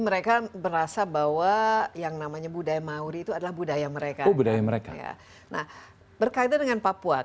mereka merasa bahwa yang namanya budaya mauri itu adalah budaya mereka budaya mereka nah berkaitan dengan papua